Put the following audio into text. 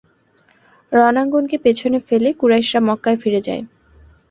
রণাঙ্গনকে পিছনে ফেলে কুরাইশরা মক্কায় ফিরে যায়।